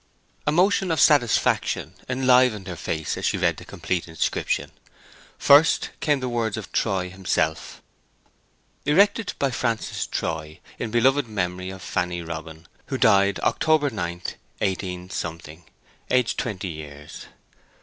A motion of satisfaction enlivened her face as she read the complete inscription. First came the words of Troy himself:— Erected by Francis Troy In Beloved Memory of Fanny Robin Who died October 9, 18—, Aged 20 years.